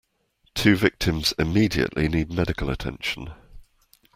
Two victims immediately need medical attention.